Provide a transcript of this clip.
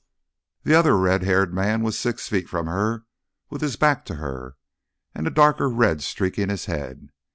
The other red haired man was six feet from her with his back to her, and a darker red streaking his head.